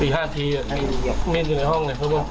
อีห้าทีมีใครอยู่ที่ห้องเนี้ย